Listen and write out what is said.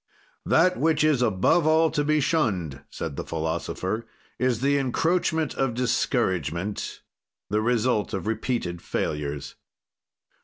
"That which is above all to be shunned," said the philosopher, "is the encroachment of discouragement, the result of repeated failures.